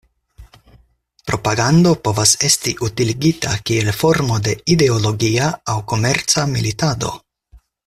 Propagando povas esti utiligita kiel formo de ideologia aŭ komerca militado.